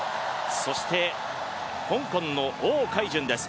そして香港の歐鎧淳です。